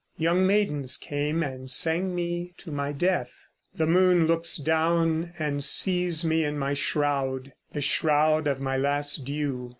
Young maidens came and sang me to my death; The moon looks down and sees me in my shroud, The shroud of my last dew.